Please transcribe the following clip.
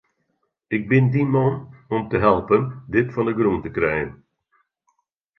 Ik bin dyn man om te helpen dit fan 'e grûn te krijen.